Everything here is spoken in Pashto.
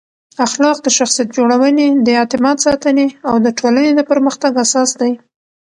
اخلاق د شخصیت جوړونې، د اعتماد ساتنې او د ټولنې د پرمختګ اساس دی.